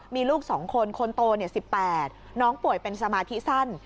มีลูก๒คนคนโต๑๘น้องป่วยเป็นสมาธิสั้น